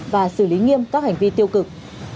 và xử lý nghiêm các hành vi tiêu cực